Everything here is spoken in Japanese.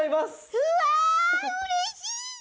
うわうれしい！